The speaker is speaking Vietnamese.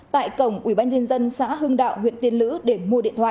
tại cổng ubnd xã hưng đạo huyện tiên lữ để mua điện thoại